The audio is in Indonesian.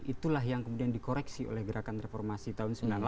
itulah yang kemudian dikoreksi oleh gerakan reformasi tahun sembilan puluh delapan